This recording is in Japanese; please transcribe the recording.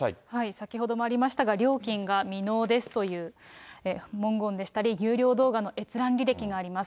先ほどもありましたが、料金が未納ですという文言でしたり、有料動画の閲覧履歴があります。